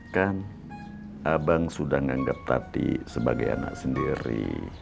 kan abang sudah menganggap tati sebagai anak sendiri